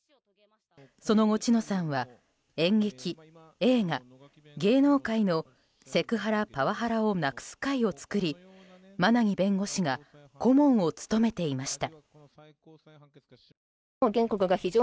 その後、知乃さんは演劇・映画・芸能界のセクハラ・パワハラをなくす会を作り馬奈木弁護士が顧問を務めていました。